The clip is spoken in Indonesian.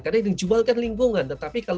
karena ini dijual kan lingkungan tetapi